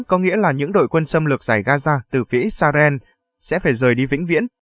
có nghĩa là những đội quân xâm lược giải gaza từ phía israel sẽ phải rời đi vĩnh viễn